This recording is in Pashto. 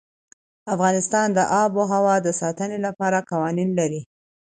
افغانستان د آب وهوا د ساتنې لپاره قوانین لري.